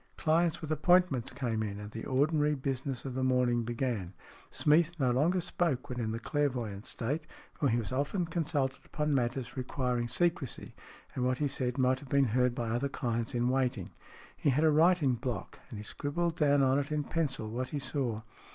Clients with appointments came in, and the ordinary business of the morning began. Smeath no longer spoke when in the clairvoyant state, for he was often consulted upon matters requiring secrecy, and what he said might have been heard by other clients in waiting. He had a writing block, and scribbled down on it in pencil what he saw.